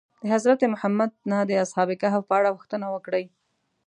د حضرت محمد نه د اصحاب کهف په اړه پوښتنه وکړئ.